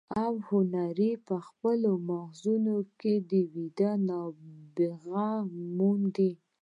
او هنري په خپلو ماغزو کې ويده نبوغ وموند.